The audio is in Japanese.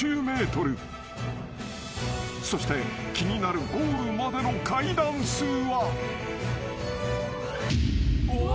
［そして気になるゴールまでの階段数は］